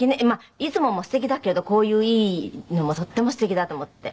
いつももすてきだけれどこういういいのもとってもすてきだと思って。